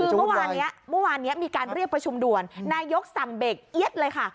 คือเมื่อวานนี้มีการเรียกประชุมด่วนนายกรรมสำเบกเอี๊ยดเลยค่ะ